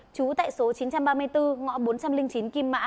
trú tại số chín trăm ba mươi bốn ngõ bốn trăm linh chín kim mã